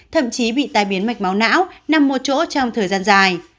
thậm chí bị tai biến mạch máu não nằm một chỗ trong thời gian dài